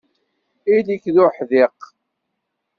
Ili-k d uḥdiq.